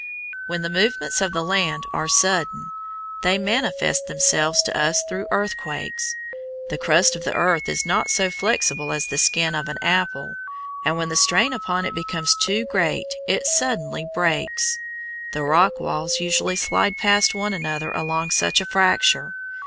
When the movements of the land are sudden, they manifest themselves to us through earthquakes. The crust of the earth is not so flexible as the skin of an apple, and when the strain upon it becomes too great it suddenly breaks. The rock walls usually slide past one another along such a fracture.